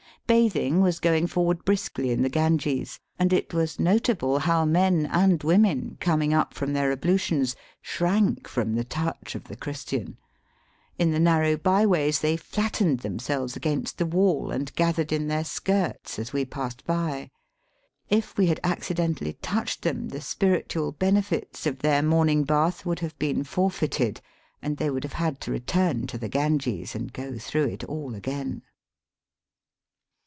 Bathing was going forward briskly in the Ganges, and it was notable how men and women, coming up from their ablutions, shrank from the touch of the Christian. In the narrow byeways they flattened themselves against the wall and gathered in their skirts Digitized by VjOOQIC THE HOLY CITY. 213 as we passed by. If we had accidentally touched them, the spiritual benefits of their morning bath would have been forfeited, and they would have had to return to the Ganges and go through it all again.